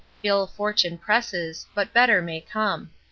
Ill fortune presses, but better may come.